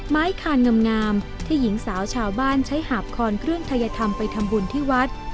คานงามที่หญิงสาวชาวบ้านใช้หาบคอนเครื่องทัยธรรมไปทำบุญที่วัด